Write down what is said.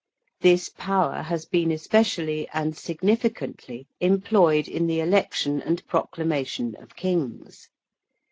This power has been especially, and significantly, employed in the election and proclamation of Kings.